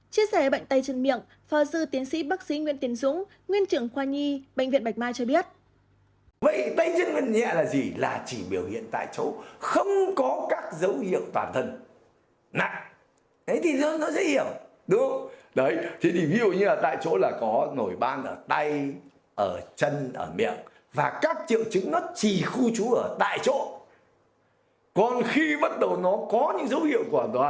chia sẻ bệnh tay chân miệng phó dư tiến sĩ bác sĩ nguyễn tiến dũng nguyên trưởng khoa nhi bệnh viện bạch mai cho biết